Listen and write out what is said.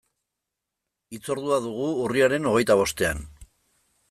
Hitzordua dugu urriaren hogeita bostean.